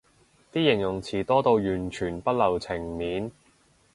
啲形容詞多到完全不留情面